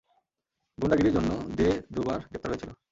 গোন্ডাগিরির জন্য দে দুবার গ্রেফতার হয়েছিল।